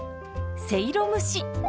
せいろ蒸し。